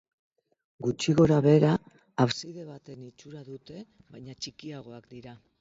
Gutxi gorabehera abside baten itxura dute baina txikiagoak dira.